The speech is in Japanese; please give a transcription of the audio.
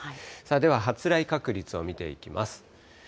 では発雷確率を見ていきます。